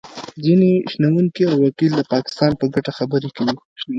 ځینې شنونکي او وکیل د پاکستان په ګټه خبرې کوي